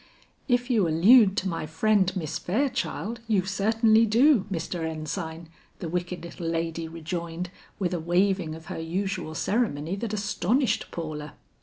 "If you allude to my friend Miss Fairchild, you certainly do, Mr. Ensign," the wicked little lady rejoined with a waiving of her usual ceremony that astonished Paula.